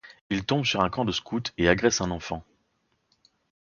Il tombe sur un camp de scout et agresse un enfant.